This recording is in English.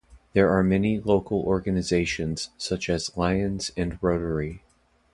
There are many local organisations such as Lions and Rotary.